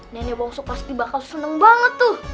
nenek wongso pasti bakal seneng banget tuh